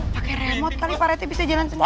pake remote kali pak rt bisa jalan sendiri